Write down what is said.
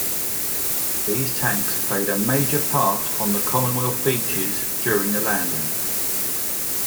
These tanks played a major part on the Commonwealth beaches during the landings.